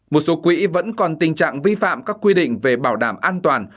một số quỹ vẫn còn tình trạng vi phạm các quy định về bảo đảm an toàn